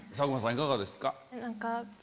いかがですか？